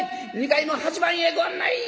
２階の８番へご案内！」。